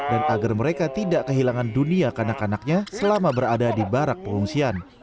agar mereka tidak kehilangan dunia kanak kanaknya selama berada di barak pengungsian